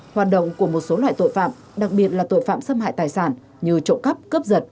hoạt động của một số loại tội phạm đặc biệt là tội phạm xâm hại tài sản như trộm cắp cướp giật